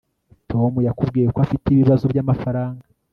tom yakubwiye ko afite ibibazo byamafaranga